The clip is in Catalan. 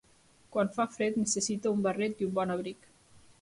Quan fa fred necessito un barret i un bon abric.